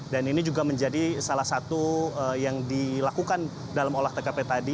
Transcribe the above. dan ini juga menjadi salah satu yang dilakukan dalam olah tkp tadi